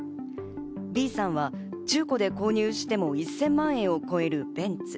Ｂさんは中古で購入しても１０００万円を超えるベンツ。